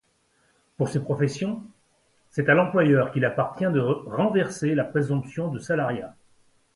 Pour ces professions, c’est à l’employeur qu’il appartient de renverser la présomption de salariat.